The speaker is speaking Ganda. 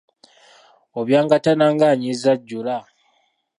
Obyangatana ng'anyiza ajjula.